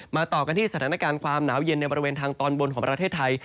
ต่อกันที่สถานการณ์ความหนาวเย็นในบริเวณทางตอนบนของประเทศไทย